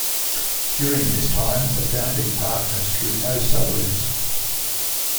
During this time, the founding partners drew no salaries.